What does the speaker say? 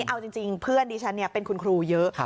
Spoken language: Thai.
เอาจริงเพื่อนดิฉันเป็นคุณครูเยอะ